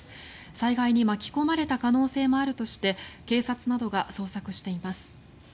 災害に巻き込まれた可能性もあるとして警察などが捜索しています。